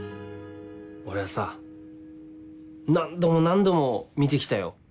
俺さ何度も何度も見て来たよ。